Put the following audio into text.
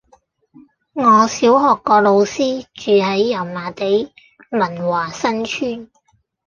我小學個老師住喺油麻地文華新村